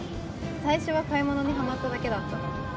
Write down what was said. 最初は買い物にはまっただけだったの